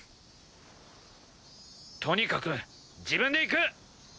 とにかく自分で行く！